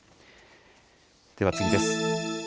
では次です。